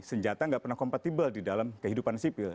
senjata nggak pernah kompatibel di dalam kehidupan sipil